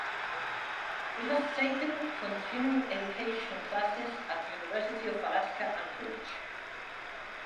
He has taken continuing education classes at University of Alaska Anchorage.